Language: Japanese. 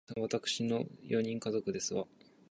お父様、お母様、お兄様、わたくしの四人家族ですわ